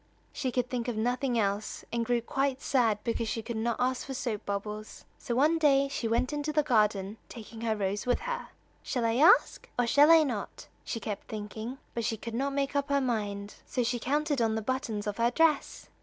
She could think of nothing else, and grew quite sad because she could not ask for soap bubbles. So one day, she went into the garden, taking her rose with her. "Shall I ask? or shall I not?" she kept thinking, but she could not make up her mind. So she counted on the buttons of her dress.